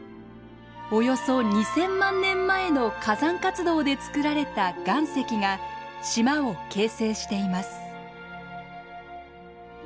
およそ２，０００万年前の火山活動で作られた岩石が島を形成しています。